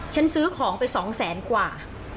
ฉันซื้อของไปสองแสนกว่า